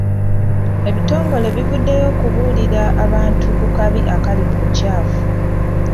Ebitongole bivuddeyo okubuulira abantu ku kabi akali mu bukyafu.